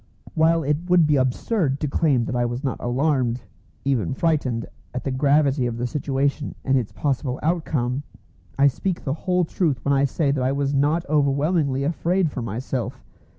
... While it would be absurd to claim that I was not alarmed even frightened at the gravity of the situation and its possible outcome, I speak the whole truth when I say that I was not overwhelmingly afraid for myself.